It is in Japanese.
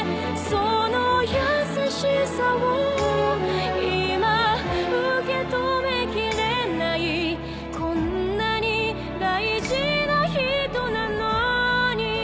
「その優しさをいま受け止めきれない」「こんなに大事な人なのに」